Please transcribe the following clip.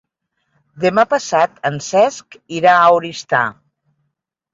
Demà passat en Cesc irà a Oristà.